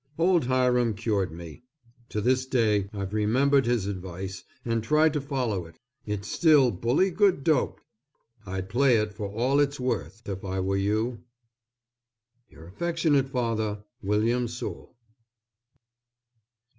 Old Hiram cured me. To this day I've remembered his advice, and tried to follow it. It's still bully good dope. I'd play it for all its worth if I were you. Your affectionate father, WILLIAM SOULE.